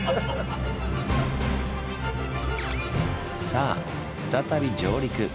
さあ再び上陸。